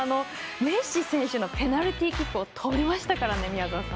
メッシ選手のペナルティーキックを止めましたからね、宮澤さん。